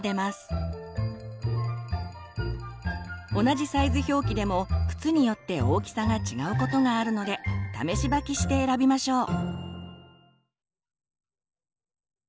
同じサイズ表記でも靴によって大きさが違うことがあるので試し履きして選びましょう。